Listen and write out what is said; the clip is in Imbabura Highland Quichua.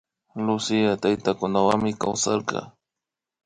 Lucía taytakunawanmi kawsarka